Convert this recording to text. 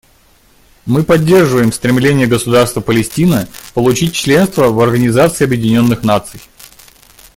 Мы поддерживаем стремление Государства Палестина получить членство в Организации Объединенных Наций.